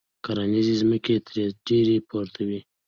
کرنیزې ځمکې ترې ډېرې پورته وې.